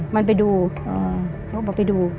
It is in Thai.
มันไปดู